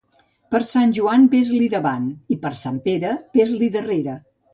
Per Sant Joan ves-li davant, i per Sant Pere ves-li darrere.